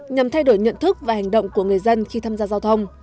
nhằm thay đổi nhận thức và hành động của người dân khi tham gia giao thông